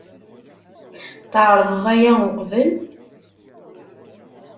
Tɛerḍeḍ aya uqbel?